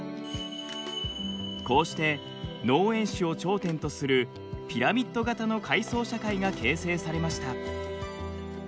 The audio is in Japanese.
こうして農園主を頂点とするピラミッド形の階層社会が形成されました。